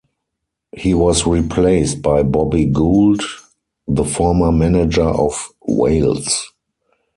He was replaced by Bobby Gould, the former manager of Wales.